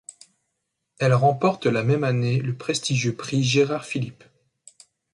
Elle remporte la même année le prestigieux prix Gérard Philipe.